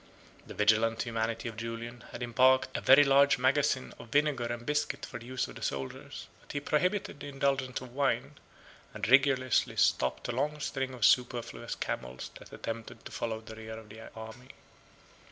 The vigilant humanity of Julian had embarked a very large magazine of vinegar and biscuit for the use of the soldiers, but he prohibited the indulgence of wine; and rigorously stopped a long string of superfluous camels that attempted to follow the rear of the army.